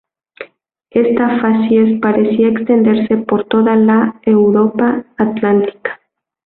Esta facies parecía extenderse por toda la "Europa atlántica".